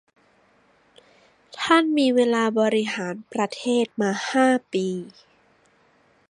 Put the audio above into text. ท่านมีเวลาบริหารประเทศมา ห้า ปี